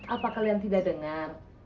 apa kalian tidak dengar